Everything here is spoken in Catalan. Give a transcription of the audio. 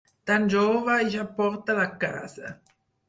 Tan jove i ja porta la casa.